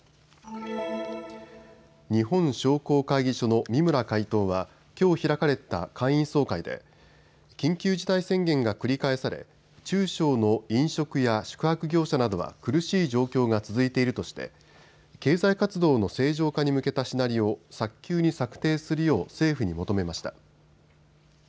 日本商工会議所の三村会頭はきょう開かれた会員総会で緊急事態宣言が繰り返され中小の飲食や宿泊業者などは苦しい状況が続いているとして経済活動の正常化に向けたシナリオを早急に策定するよう政府に求めました。